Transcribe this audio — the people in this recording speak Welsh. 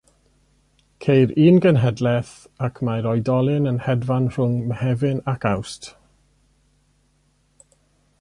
Ceir un genhedlaeth ac mae'r oedolyn yn hedfan rhwng Mehefin ac Awst.